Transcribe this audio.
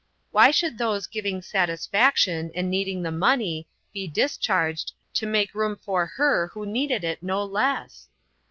Why should those giving satisfaction, and needing the money, be discharged, to make room for her who needed it no less